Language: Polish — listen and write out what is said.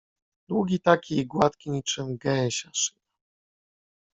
Długi taki i gładki, niczym gęsia szyja.